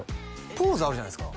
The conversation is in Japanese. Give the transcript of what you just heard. ポーズあるじゃないですか？